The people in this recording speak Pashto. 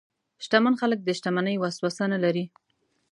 شتمن خلک د شتمنۍ وسوسه نه لري.